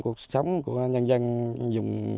cuộc sống của nhân dân dùng